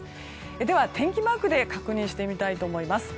では天気マークで確認してみたいと思います。